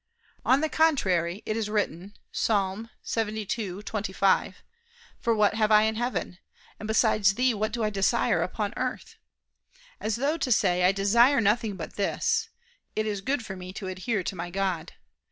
On the contrary, It is written (Ps. 72:25): "For what have I in heaven? and besides Thee what do I desire upon earth?" As though to say: "I desire nothing but this, " "It is good for me to adhere to my God."